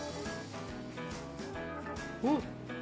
うん！